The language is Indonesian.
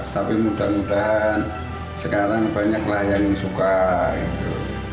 tapi mudah mudahan sekarang banyaklah yang suka gitu